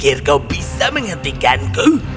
kau pikir kau bisa menghentikanku